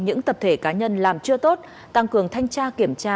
những tập thể cá nhân làm chưa tốt tăng cường thanh tra kiểm tra